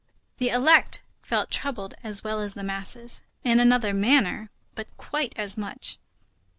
The elect felt troubled as well as the masses; in another manner, but quite as much.